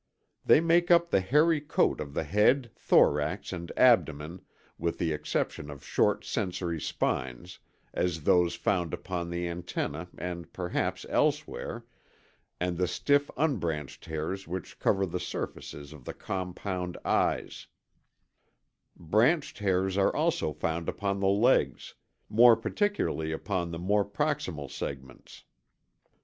They make up the hairy coat of the head, thorax, and abdomen, with the exception of short sensory spines, as those found upon the antennæ and perhaps elsewhere, and the stiff unbranched hairs which cover the surfaces of the compound eyes (Phillips, 1905). Branched hairs are also found upon the legs; more particularly upon the more proximal segments.